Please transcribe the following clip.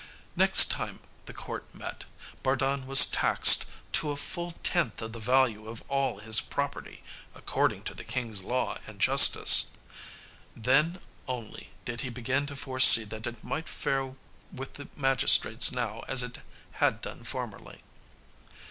Next time the court met, Bardun was taxed to a full tenth of the value of all his property, according to the king's law and justice. Then only did he begin to foresee that it might fare with the magistrates now as it had done formerly.